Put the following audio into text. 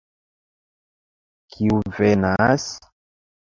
Kiu venas?